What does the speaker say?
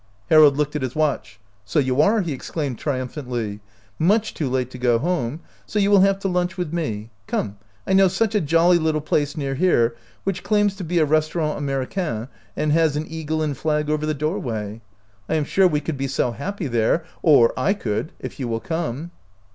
Harold looked at his watch. " So you are!" he exclaimed, triumphantly — "much too late to go home ; so you will have to lunch with me. Come, I know such a jolly little place near here, which claims to be a Restaurant Americain, and has an eagle and flag over the doorway. I am sure we could be so happy there — or /could if you will come."